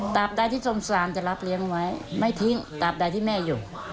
ใดที่สงสารจะรับเลี้ยงไว้ไม่ทิ้งตามใดที่แม่อยู่